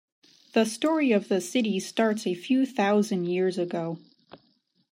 The story of the city starts a few thousand years ago.